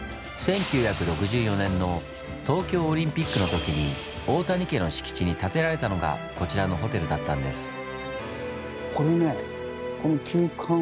１９６４年の東京オリンピックのときに大谷家の敷地に建てられたのがこちらのホテルだったんです。